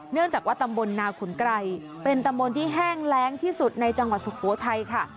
เนื่องจากว่าตำบลนาขุนไกรเป็นตำบลที่แห้งแรงที่สุดในจังหวัดสุโขทัยค่ะ